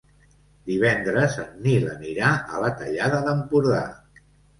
Divendres en Nil anirà a la Tallada d'Empordà.